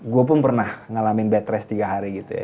gue pun pernah ngalamin bed rest tiga hari gitu ya